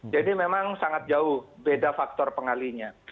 jadi memang sangat jauh beda faktor pengalinya